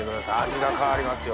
味が変わりますよ